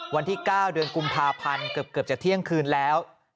วันที่๙เดือนกุมภาพันธ์เกือบจะเที่ยงคืนแล้ว